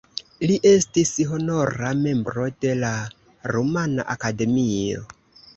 Li estis honora membro de la Rumana Akademio.